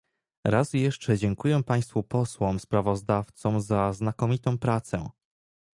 Raz jeszcze dziękuję państwu posłom sprawozdawcom za znakomitą pracę